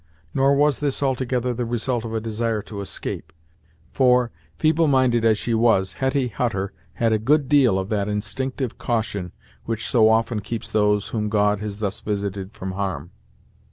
Nor was this altogether the result of a desire to escape, for, feeble minded as she was, Hetty Hutter had a good deal of that instinctive caution which so often keeps those whom God has thus visited from harm.